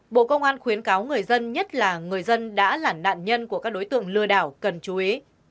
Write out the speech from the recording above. bộ công an khuyến cáo người dân nhất là người dân đã là nạn nhân của các đối tượng lừa đảo cần chú ý